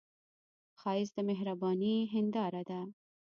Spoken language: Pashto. ښایست د مهرباني هنداره ده